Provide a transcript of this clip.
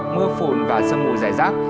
mưa phùn và sông mùi rải rác